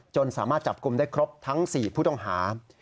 สามารถจับกลุ่มได้ครบทั้ง๔ผู้ต้องหา